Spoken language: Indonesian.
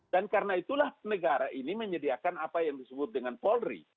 dan karena itulah negara ini menyediakan apa yang disebut dengan polri